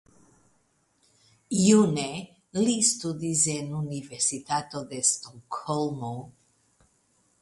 June li studis en Universitato de Stokholmo.